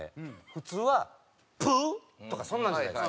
普通はプウー！とかそんなんじゃないですか。